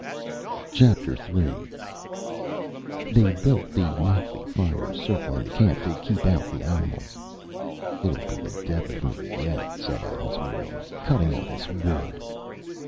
III They built the nightly fires circling the camp to keep out the animals. "It'll be the death of me yet," said Adams wearily, "cutting all this wood."